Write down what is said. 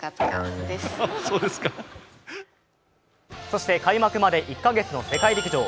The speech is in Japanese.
そして開幕まで１カ月の世界陸上。